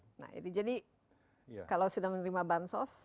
nah itu jadi kalau sudah menerima bansos